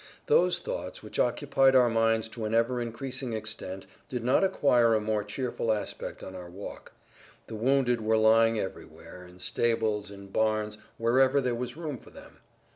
Those thoughts which occupied our minds to an ever increasing extent did not acquire a more cheerful aspect on our walk. The wounded were lying everywhere, in stables, in barns, wherever there was room for them.